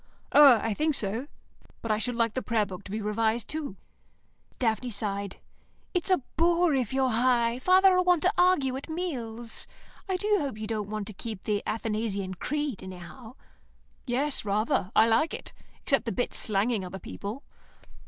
"Oh, I think so. But I should like the Prayer Book to be revised, too." Daphne sighed. "It's a bore if you're High. Father'll want to argue at meals. I do hope you don't want to keep the Athanasian Creed, anyhow." "Yes, rather. I like it, except the bits slanging other people."